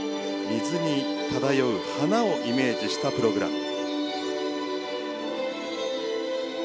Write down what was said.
水に漂う花をイメージしたプログラム。